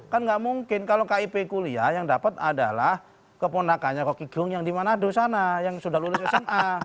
kan nggak mungkin kalau kip kuliah yang dapat adalah keponakannya rocky gerung yang di manado sana yang sudah lulus sma